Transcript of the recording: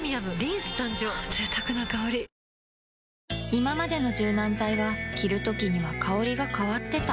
いままでの柔軟剤は着るときには香りが変わってた